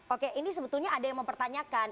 oke ini sebetulnya ada yang mempertanyakan